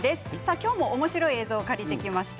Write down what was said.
今日もおもしろい映像を借りてきました。